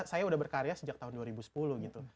saya udah berkarya sejak tahun dua ribu sepuluh gitu